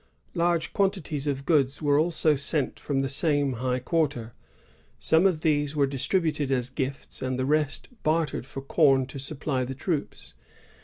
Large quantities of goods were also sent from the same high quarter. Some of these were distributed as gifts, and the rest bartered for com to supply the troops.